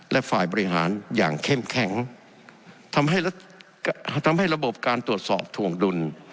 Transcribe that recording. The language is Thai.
และฝ่ายบริหารอย่างเข้มแข็งทำให้ระบบการตรวจสอบถวงดุล